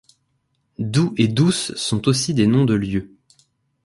Doux et Douces sont aussi des noms de lieu.